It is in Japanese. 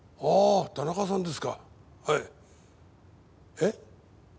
えっ？